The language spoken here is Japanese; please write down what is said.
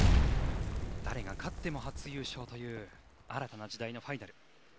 誰が勝っても初優勝という新たな時代のファイナル。